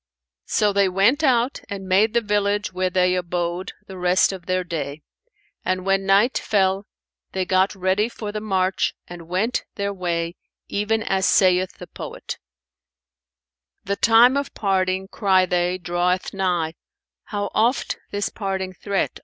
So they went out and made the village where they abode the rest of their day, and when night fell, they got ready for the march and went their way, even as saith the poet, "'The time of parting,' cry they, 'draweth nigh': * 'How oft this parting threat?'